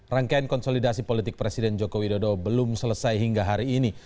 rangkaian konsolidasi politik presiden joko widodo belum selesai hingga hari ini